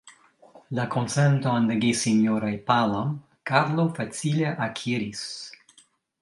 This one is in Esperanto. La konsenton de gesinjoroj Palam, Karlo facile akiris.